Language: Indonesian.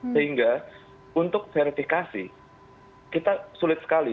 sehingga untuk verifikasi kita sulit sekali